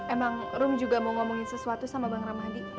emang rum juga mau ngomongin sesuatu sama bang ramadi